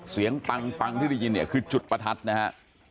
ปังปังที่ได้ยินเนี่ยคือจุดประทัดนะฮะ